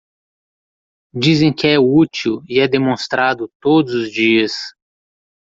Dizem que é útil e é demonstrado todos os dias.